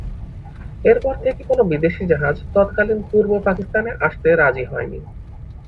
এরপর থেকে কোনো বিদেশি জাহাজ তৎকালীন পূর্ব পাকিস্তানে আসতে রাজি হয় নি।